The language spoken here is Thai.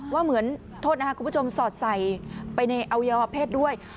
ว่าเหมือนโทษนะครับคุณผู้ชมสอดใส่ไปในอวัยวะเพศด้วย